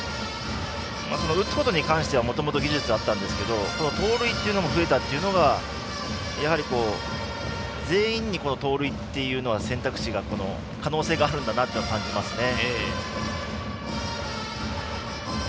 打つことに関してはもともと技術があったんですが盗塁が増えたというのは、やはり全員に盗塁というのは、選択肢が可能性があるんだなと感じますね。